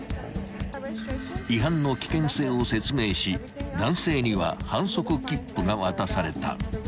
［違反の危険性を説明し男性には反則切符が渡された］